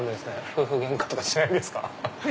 夫婦げんかとかしないですか？